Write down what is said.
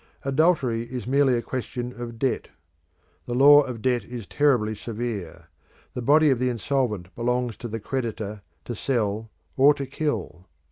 Adultery is merely a question of debt. The law of debt is terribly severe: the body of the insolvent belongs to the creditor to sell or to kill.